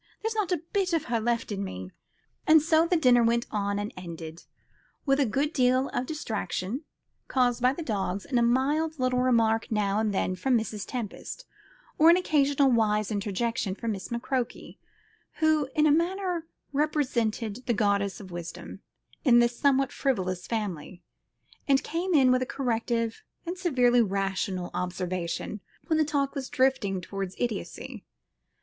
There's not a bit of her left in me." And so the dinner went on and ended, with a good deal of distraction, caused by the dogs, and a mild little remark now and then from Mrs. Tempest, or an occasional wise interjection from Miss McCroke, who in a manner represented the Goddess of Wisdom in this somewhat frivolous family, and came in with a corrective and severely rational observation when the talk was drifting towards idiocy.